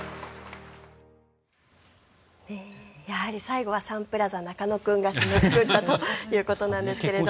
やはり最後はサンプラザ中野くんが締めくくったということなんですけれども。